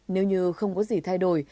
nếu như không có gì thay đổi